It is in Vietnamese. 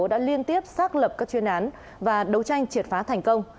đã liên tiếp xác lập các chuyên án và đấu tranh triệt phá thành công